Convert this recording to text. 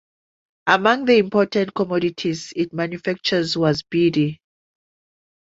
Among the important commodities it manufactured was beedi.